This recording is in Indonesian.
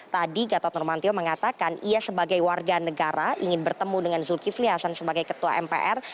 tadi gatot nurmantio mengatakan ia sebagai warga negara ingin bertemu dengan zulkifli hasan sebagai ketua mpr